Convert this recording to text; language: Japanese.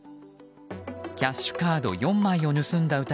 キャッシュカード４枚を盗んだ